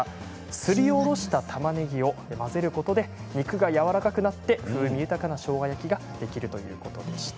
すりおろした、たまねぎを混ぜることで肉がやわらかくなって風味豊かなしょうが焼きができるということでした。